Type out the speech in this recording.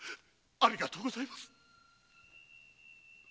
ありがとうございます！